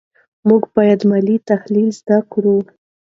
موږ باید مالي تحلیل زده کړو.